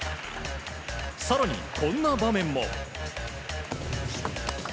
更に、こんな場面も。